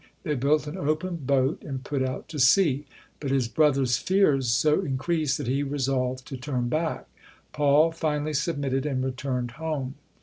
They built an open boat and put out to sea, but his brother's fears so increased that he resolved to turn back. Paul finally submitted and returned home.